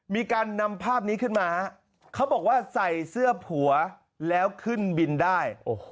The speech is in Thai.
มีการนำภาพนี้ขึ้นมาเขาบอกว่าใส่เสื้อผัวแล้วขึ้นบินได้